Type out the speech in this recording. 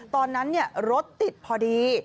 ตอนนั้นรถติดพอดี